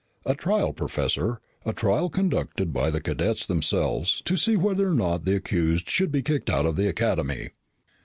"A trial, Professor. A trial conducted by the cadets themselves to see whether or not the accused should be kicked out of the Academy."